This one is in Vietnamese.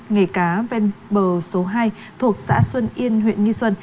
nghề cá ven bờ số hai thuộc xã xuân yên huyện nghi xuân